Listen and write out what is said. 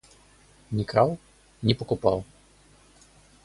Не крал, не покупал.